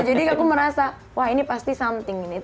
jadi aku merasa wah ini pasti something ini